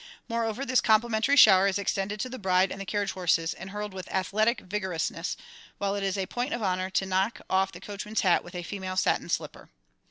Moreover, this complimentary shower is extended to the bride and the carriage horses, and hurled with athletic vigorousness, while it is a point of honour to knock off the coachman's hat with a female satin slipper.